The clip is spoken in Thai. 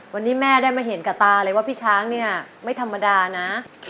วันนี้แม่ได้มาเห็นกับตาเลยว่าพี่ช้างเนี่ยไม่ธรรมดานะ